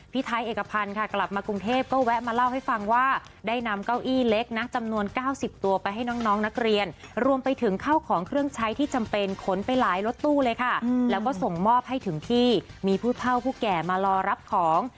พี่ไทยเอกพันธ์ค่ะกลับมากรุงเทพก็แวะมาเล่าให้ฟังว่าได้นำเก้าอี้เล็กนะจำนวน๙๐ตัวไปให้น้องนักเรียนรวมไปถึงเข้าของเครื่องใช้ที่จำเป็นขนไปหลายรถตู้เลยค่ะแล้วก็ส่งมอบให้ถึงที่มีผู้เท่าผู้แก่มารอรับของ